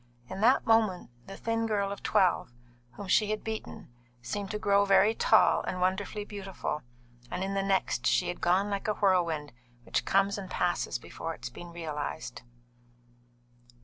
In that moment the thin girl of twelve, whom she had beaten, seemed to grow very tall and wonderfully beautiful; and in the next, she had gone like a whirlwind which comes and passes before it has been realised.